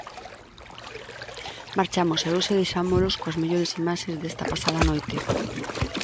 Marchamos, e hoxe deixámolos coas mellores imaxes desta pasada noite.